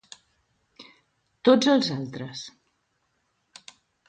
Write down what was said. Tots els altres.